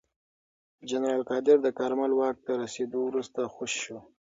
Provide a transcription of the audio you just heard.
جنرال قادر د کارمل واک ته رسېدو وروسته خوشې شو.